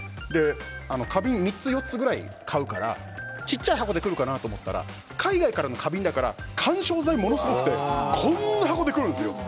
花瓶を３つ、４つぐらい買うから小さい箱で来るかなと思ったら海外からの花瓶だから緩衝材ものすごくてこんな大きい箱で来るんですよ。